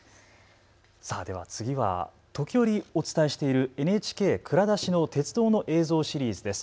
では次は時折お伝えしているＮＨＫ蔵出しの鉄道の映像シリーズです。